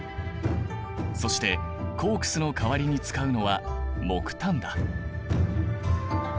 そしてコークスの代わりに使うのは木炭だ。